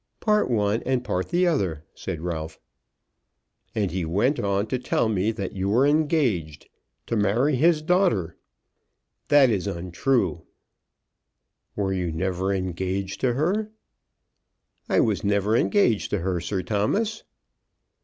"Part one and part the other," said Ralph. "And he went on to tell me that you were engaged, to marry his daughter." "That is untrue." "Were you never engaged to her?" "I was never engaged to her, Sir Thomas."